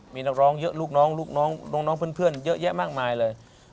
มีนักร้องเยอะลูกน้องลูกน้องเพื่อนเยอะแยะมากมายเลย